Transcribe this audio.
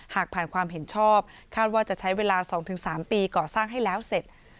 หากผ่านความเห็นชอบคาดว่าจะใช้เวลา๒๓ปีก่อสร้างให้แล้วเสร็จ